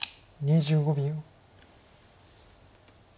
２５秒。